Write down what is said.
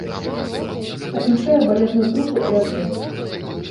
Уключае балетную трупу і аркестр.